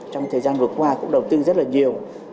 trong thời gian vừa qua cũng đầu tư rất là nhiều